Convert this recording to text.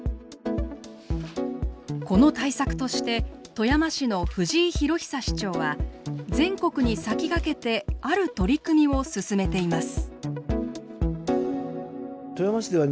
この対策として富山市の藤井裕久市長は全国に先駆けてある取り組みを進めています。